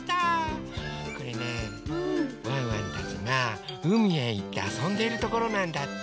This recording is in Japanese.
これねワンワンたちがうみへいってあそんでいるところなんだって。